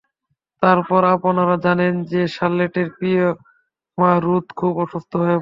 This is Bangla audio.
তারপর আপনারা জানেন যে, শার্লেটের প্রিয় মা রুথ, খুব অসুস্থ হয়ে পড়েন।